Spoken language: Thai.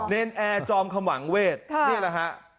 เนนแอร์จอมคำหวังเวทนี่แหละฮะ